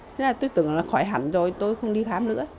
thế là tư tưởng là khỏi hẳn rồi tôi không đi khám nữa